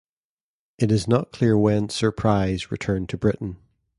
It is not clear when "Surprize" returned to Britain.